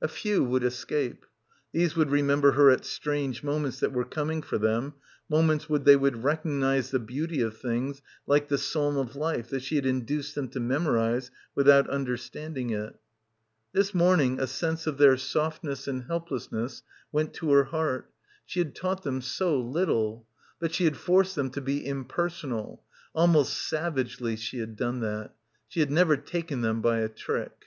A few would escape. These would remember her at strange moments that were coming for them, moments when they would recognise the beauty of things like 'the Psalm of Life' that she had in duced them to memorise without understanding it. This morning a sense of their softness and helplessness went to her heart. She had taught — 272 — BACKWATER them so little. But she had forced them to be impersonal. Almost savagely she had done that. She had never taken them by a trick.